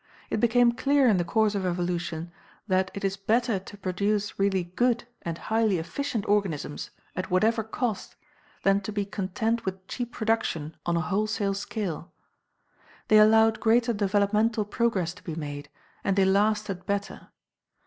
It became clear in the course of evolution that it is better to produce really good and highly efficient organisms, at whatever cost, than to be content with cheap production on a wholesale scale. They allowed greater developmental progress to be made, and they lasted better.